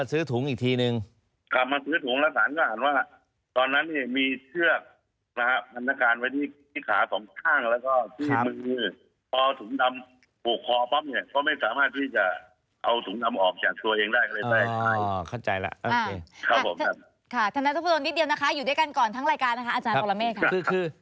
คือคือ